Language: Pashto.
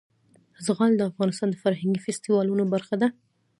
زغال د افغانستان د فرهنګي فستیوالونو برخه ده.